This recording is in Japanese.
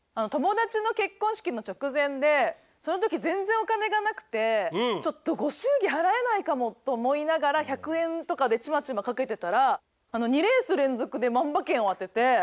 友達の結婚式の直前でそのとき全然お金が無くてちょっとご祝儀払えないかもと思いながら１００円とかでちまちま賭けてたら２レース連続で万馬券を当てて。